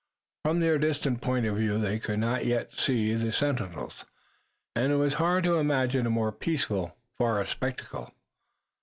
From their distant point of view they could not yet see the sentinels, and it was hard to imagine a more peaceful forest spectacle.